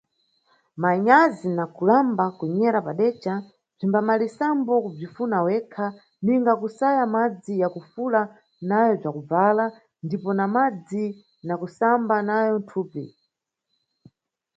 Manyazi na kulamba kunyera padeca bzimbamalisambo kubzifuna wekha, ninga kusaya madzi ya kufula nayo bzakubvala ndipo na madzi na kusamba nayo thupi.